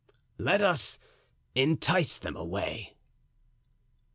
"Let us entice them away."